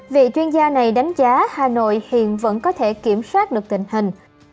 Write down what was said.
vị chuyên gia này đánh giá hà nội hiện vẫn có thể kiểm soát được tình hình